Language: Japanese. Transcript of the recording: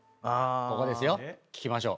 ここですよ聞きましょう。